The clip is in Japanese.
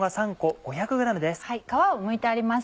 皮をむいてあります